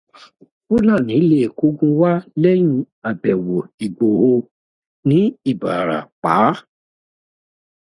Fúlàní le k'ógun wá lẹ́yìn àbẹ̀wò Ìgbòho ní Ìbàràpá.